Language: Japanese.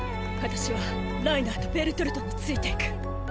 私はライナーとベルトルトに付いていく。